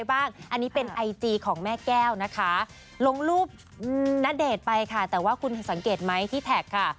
ลงรูปณเดชน์ไปค่ะแต่ว่าคุณสังเกตไหมที่แท็กค่ะ